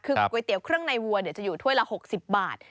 คือก๋วยเตี๋ยวเครื่องในวัวจะอยู่ถ้วยละ๖๐บาท